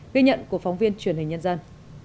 ghi nhận của phóng viên truyền hình nhân dân